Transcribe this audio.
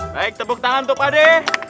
baik tepuk tangan untuk pak de